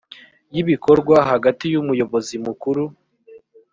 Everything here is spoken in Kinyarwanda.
y ibikorwa hagati y umuyobozi mukuru